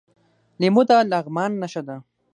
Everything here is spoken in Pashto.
لیمو د لغمان نښه ده.